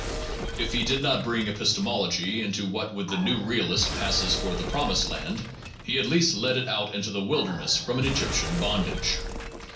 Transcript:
If he did not bring epistemology into what with the new realist passes for the promised land, he at least led it out into the wilder ness from an Egyptian bondage.